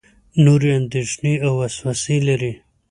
نورې اندېښنې او وسوسې لري.